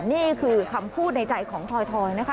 นี่คือคำพูดในใจของทอยนะคะ